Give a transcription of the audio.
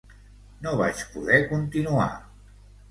No vaig poder continuar.